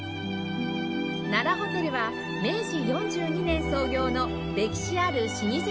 奈良ホテルは明治４２年創業の歴史ある老舗ホテル